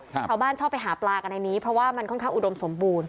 ชาวบ้านชอบไปหาปลากันในนี้เพราะว่ามันค่อนข้างอุดมสมบูรณ